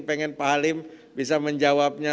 pengen pak halim bisa menjawabnya